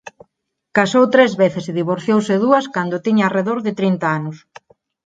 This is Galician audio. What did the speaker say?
Casou tres veces e divorciouse dúas cando tiña arredor de trinta anos.